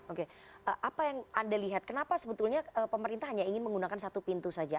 oke apa yang anda lihat kenapa sebetulnya pemerintah hanya ingin menggunakan satu pintu saja